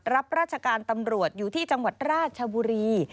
รับราชการตำรวจอยู่ที่จังหวัดราชบุรี